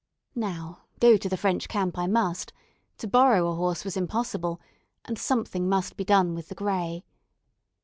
Now, go to the French camp I must; to borrow a horse was impossible, and something must be done with the grey.